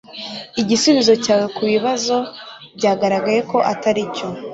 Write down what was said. igisubizo cyawe kubibazo byagaragaye ko atari cyo